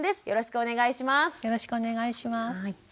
よろしくお願いします。